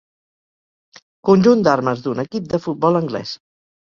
Conjunt d'armes d'un equip de futbol anglès.